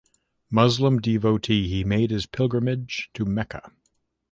Muslim devotee he made his pilgrimage to Mecca.